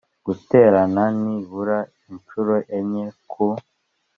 guterana nibura inshuro enye ku